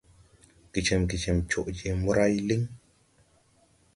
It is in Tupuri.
Gecɛmgecɛm coʼ je moray liŋ.